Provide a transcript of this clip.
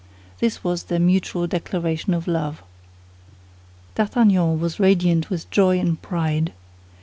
This was their mutual declaration of love. D'Artagnan was radiant with joy and pride.